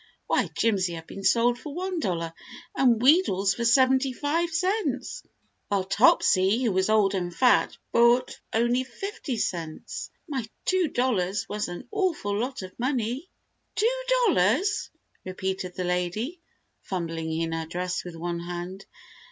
Why, Jimsy had been sold for one dollar, and Wheedles for seventy five cents, while Topsy, who was old and fat, brought only fifty cents. My, two dollars was an awful lot of money! "Two dollars!" repeated the lady, fumbling in her dress with one hand.